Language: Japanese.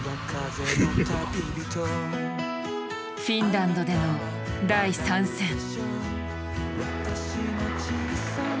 フィンランドでの第３戦。